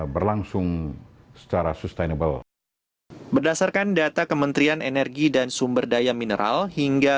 berlangsung secara sustainable berdasarkan data kementerian energi dan sumber daya mineral hingga